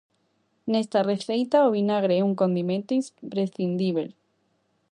Nesta receita, o vinagre é un condimento imprescindíbel.